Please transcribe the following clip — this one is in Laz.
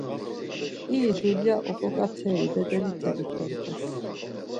İri dulya oǩoǩateri bedelite ikomt̆es.